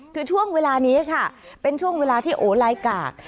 คือช่วงเวลานี้ค่ะเป็นช่วงเวลาที่โอลายกาก